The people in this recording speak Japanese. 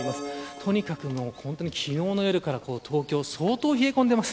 とにかく昨日の夜から東京相当、冷え込んでいます。